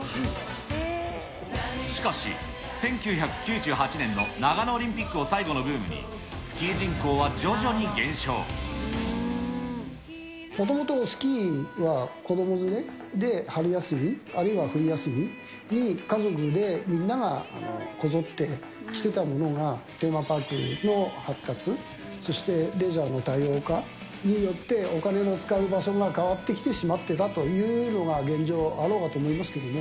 しかし、１９９８年の長野オリンピックを最後のブームに、スキー人口は徐もともとスキーは、子ども連れで春休み、あるいは冬休みに、家族でみんながこぞって来てたものが、テーマパークの発達、そしてレジャーの多様化によって、お金の使う場所が変わってきてしまってたというのが現状あろうかと思いますけどね。